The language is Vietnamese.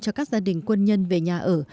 cho các gia đình quân nhân về nhà ở